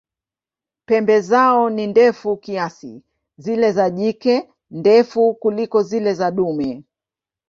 Pembe zao ni ndefu kiasi, zile za jike ndefu kuliko zile za dume.